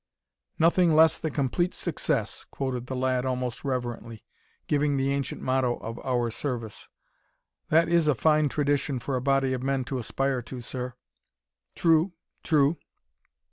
"'Nothing Less than Complete Success,'" quoted the lad almost reverently, giving the ancient motto of our service. "That is a fine tradition for a body of men to aspire to, sir." "True. True."